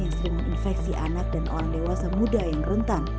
penyakit yang menyebabkan infeksi anak dan orang dewasa muda yang rentan